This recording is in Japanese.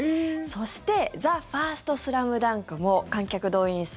そして「ＴＨＥＦＩＲＳＴＳＬＡＭＤＵＮＫ」も観客動員数